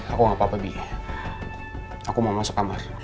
aku gapapa bi aku mau masuk kamar